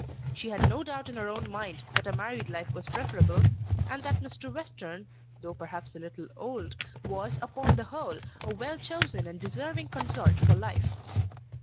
She had no doubt in her own mind that a married life was preferable, and that Mr. Western, though perhaps a little old, was upon the whole a well chosen and deserving consort for life.